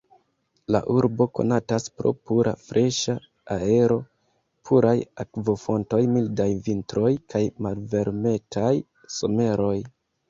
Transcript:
La urbo konatas pro pura freŝa aero, puraj akvofontoj, mildaj vintroj kaj malvarmetaj someroj.